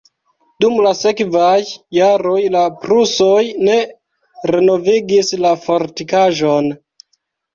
Dum la sekvaj jaroj la prusoj ne renovigis la fortikaĵon.